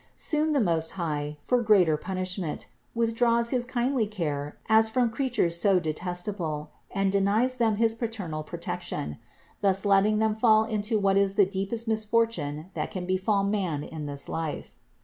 Soon the Most High, for greater punishment, withdraws his kindly care as from creatures so detestable and denies them his paternal protection, thus letting them fall into what is the deepest misfortune that can befall man in this life.